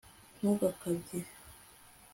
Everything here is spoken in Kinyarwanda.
ntugakabye